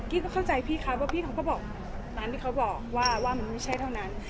ต้องเข้าใจพี่ครับว่าพี่เขาก็บอกตามที่เขาบอกว่ามันไม่ใช่เท่านั้น